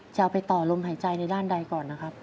จะเอาไปต่อลมหายใจในด้านใดก่อนนะครับ